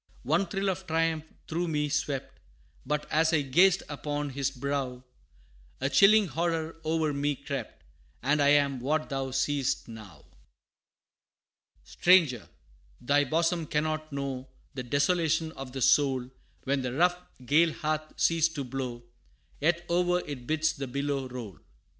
One thrill of triumph through me swept, But, as I gazed upon his brow, A chilling horror o'er me crept, And I am what thou seest now! [Illustration: The Moonlit Prairie] XIV. "Stranger, thy bosom cannot know The desolation of the soul, When the rough, gale hath ceased to blow, Yet o'er it bids the billow roll.